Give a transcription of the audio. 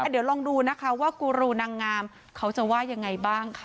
เดี๋ยวลองดูนะคะว่ากูรูนางงามเขาจะว่ายังไงบ้างค่ะ